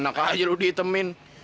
namanya lo diitemin